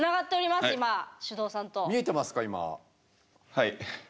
はい。